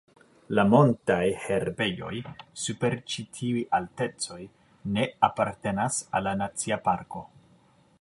La montaj herbejoj super ĉi tiuj altecoj ne apartenas al la nacia parko.